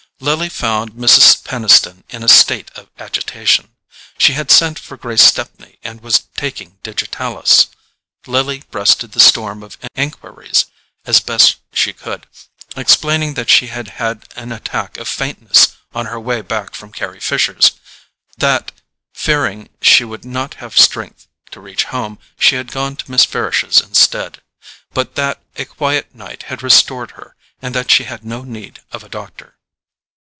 Lily found Mrs. Peniston in a state of agitation. She had sent for Grace Stepney and was taking digitalis. Lily breasted the storm of enquiries as best she could, explaining that she had had an attack of faintness on her way back from Carry Fisher's; that, fearing she would not have strength to reach home, she had gone to Miss Farish's instead; but that a quiet night had restored her, and that she had no need of a doctor.